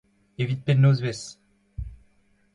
Evit pet nozvezh ?